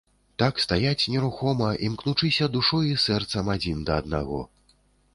Так стаяць нерухома, імкнучыся душой і сэрцам адзін да аднаго.